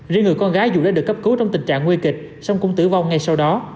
riêng người con gái dù đã được cấp cứu trong tình trạng nguy kịch song cũng tử vong ngay sau đó